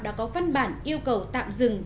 đã có văn bản yêu cầu tạm dừng